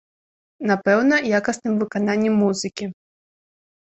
Напэўна, якасным выкананнем музыкі.